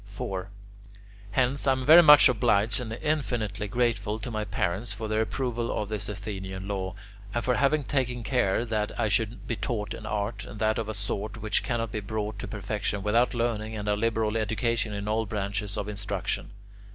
4. Hence, I am very much obliged and infinitely grateful to my parents for their approval of this Athenian law, and for having taken care that I should be taught an art, and that of a sort which cannot be brought to perfection without learning and a liberal education in all branches of instruction.